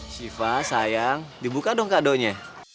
shiva sayang dibuka dong kadonya